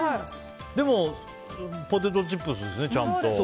でも、ポテトチップスですねちゃんと。